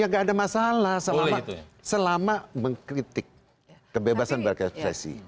ya gak ada masalah selama mengkritik kebebasan berekspresi